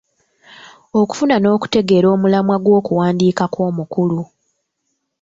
Okufuna n'okutegeera omulamwa gw'okuwandiikako omukulu.